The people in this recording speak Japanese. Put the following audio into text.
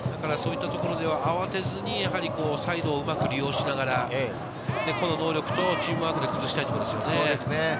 慌てずにサイドをうまく利用しながら、個の能力とチームワークで崩したいところですね。